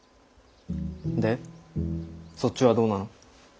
でそっちはどうなの？